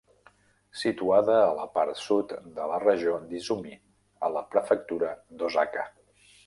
Situada a la part sud de la regió d'Izumi, a la prefectura d'Osaka.